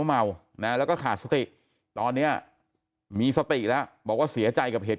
เมานะแล้วก็ขาดสติตอนนี้มีสติแล้วบอกว่าเสียใจกับเหตุ